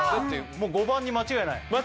もう５番に間違いない？